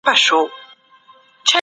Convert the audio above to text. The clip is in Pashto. ښه ذهنیت ستونزي نه خپروي.